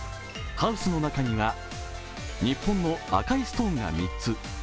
ハウスの中には、日本の赤いストーンが３つ。